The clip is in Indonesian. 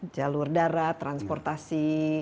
jalur darat transportasi